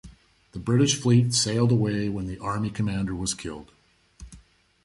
The British fleet sailed away when the army commander was killed.